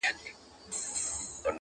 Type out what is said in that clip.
له ارغوان تر لاله زار ښکلی دی!.